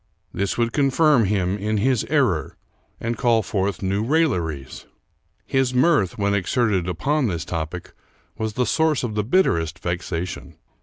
This would con firm him in his error and call forth new railleries. His mirth, when exerted upon this topic, was the source of the bitterest vexation.